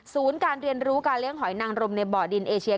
การเรียนรู้การเลี้ยงหอยนางรมในบ่อดินเอเชีย